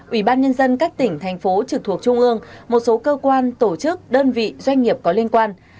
ủy ban nhân dân các tỉnh thành phố trực thuộc trung ương một số cơ quan tổ chức đơn vị doanh nghiệp có liên quan